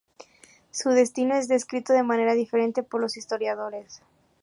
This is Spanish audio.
Su destino es descrito de manera diferente por los historiadores.